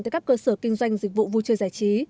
tại các cơ sở kinh doanh dịch vụ vui chơi giải trí